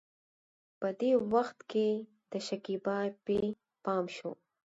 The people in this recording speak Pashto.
په دې وخت کې د شکيبا پې پام شو.